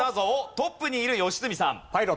トップにいる良純さん。